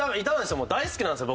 大好きなんですよ